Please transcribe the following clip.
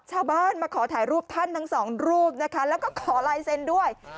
ชาวบ้านมาขอถ่ายรูปท่านทั้งสองรูปนะคะแล้วก็ขอลายเซ็นต์ด้วย